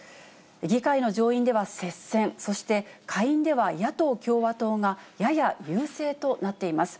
議会の上院では接戦、そして下院では野党・共和党がやや優勢となっています。